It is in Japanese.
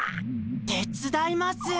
てつだいます。